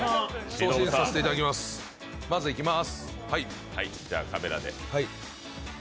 まずいきまーす。